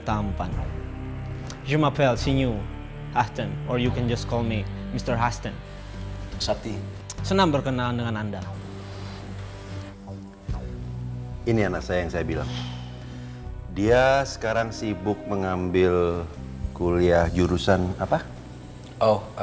kan kalau ibu larang larang terus yang ada kayak gak keluar rumah